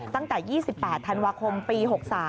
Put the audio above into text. ตั้งแต่๒๘ธันวาคมปี๖๓